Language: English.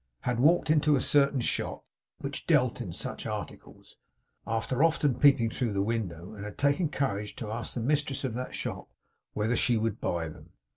had walked into a certain shop which dealt in such articles, after often peeping through the window; and had taken courage to ask the Mistress of that shop whether she would buy them.